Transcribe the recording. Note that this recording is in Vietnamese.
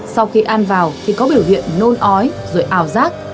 sau khi ăn vào thì có biểu hiện nôn ói rồi ảo giác